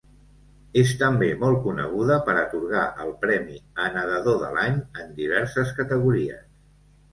És també molt coneguda per atorgar el premi a Nedador de l'Any en diverses categories.